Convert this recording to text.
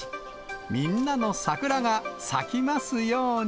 みんなの桜が咲きますように。